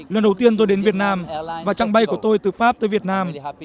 lần đầu tiên tôi đến việt nam và trạng bay của tôi từ pháp tới việt nam